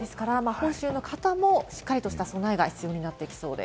本州の方もしっかりとした備えが必要になってきそうです。